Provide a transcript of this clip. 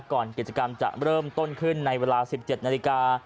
ก่อนกิจกรรมจะเริ่มต้นขึ้นในเวลา๑๗นาฬิกา